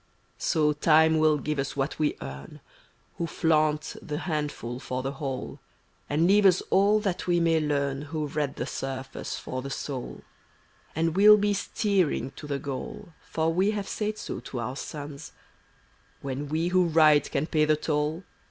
So Time will give us what we mm Who flaunt the handful for the whole. And leave us all that we may learn Who read the surface for the soul; And we'll be steering to the goal, For we have said so to our sons: When we who ride can pay the toll.